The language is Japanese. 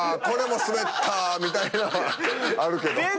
これもスベったみたいなあるけど。